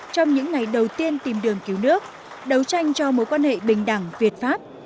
trong những ngày đầu tiên tìm đường cứu nước đấu tranh cho mối quan hệ bình đẳng việt pháp